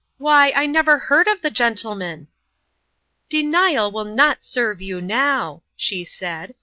" Why, I never heard of the gentleman !"" Denial will not serve you now," she said.